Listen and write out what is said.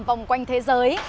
vòng quanh thế giới